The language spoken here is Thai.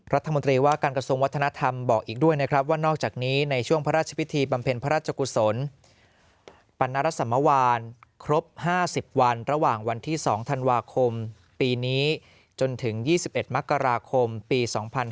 รัฐมนตรีว่าการกระทรวงวัฒนธรรมบอกอีกด้วยนะครับว่านอกจากนี้ในช่วงพระราชพิธีบำเพ็ญพระราชกุศลปรณรสมวานครบ๕๐วันระหว่างวันที่๒ธันวาคมปีนี้จนถึง๒๑มกราคมปี๒๕๕๙